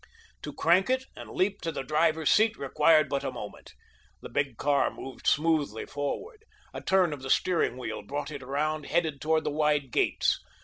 To crank it and leap to the driver's seat required but a moment. The big car moved smoothly forward. A turn of the steering wheel brought it around headed toward the wide gates.